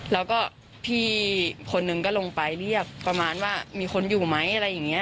แล้วก็พี่คนหนึ่งก็ลงไปเรียกประมาณว่ามีคนอยู่ไหมอะไรอย่างนี้